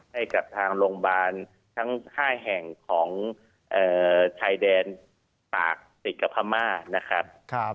ให้กับทางโรงพยาบาลทั้ง๕แห่งของชายแดนปากติดกับพม่านะครับ